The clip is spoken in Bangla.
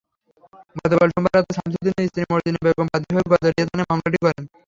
গতকাল সোমবার রাতে শামসুদ্দিনের স্ত্রী মর্জিনা বেগম বাদী হয়ে গজারিয়া থানায় মামলাটি করেন।